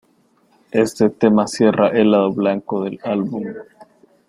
Este tema cierra el lado blanco del álbum.